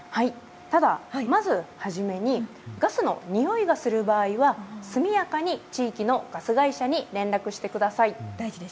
ただ、まず初めにガスのにおいがする場合は速やかに地域のガス会社に連絡してください。